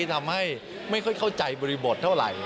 ทำให้ไม่ค่อยเข้าใจบริบทเท่าไหร่